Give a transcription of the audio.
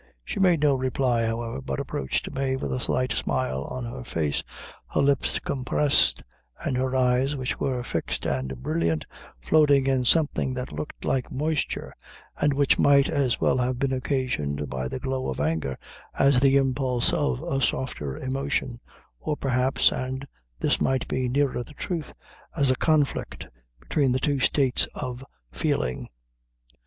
She made no reply, however, but approached Mave with a slight smile on her face, her lips compressed, and her eyes, which were fixed and brilliant, floating in something that looked like moisture, and which might as well have been occasioned by the glow of anger as the impulse of a softer emotion, or perhaps and this might be nearer the truth as a conflict between the two states of feeling.